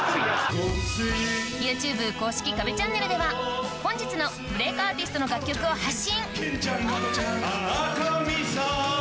ＹｏｕＴｕｂｅ公式壁チャンネルでは本日のブレイクアーティストの楽曲を配信！